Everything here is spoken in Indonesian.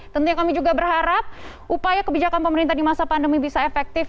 tentunya kami juga berharap upaya kebijakan pemerintah di masa pandemi bisa efektif